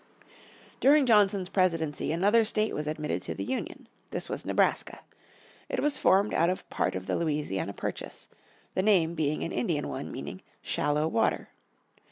During Johnson's Presidency another state was admitted to the Union. This was Nebraska. It was formed out of part of the Louisiana Purchase, the name being an Indian one meaning "shallow water."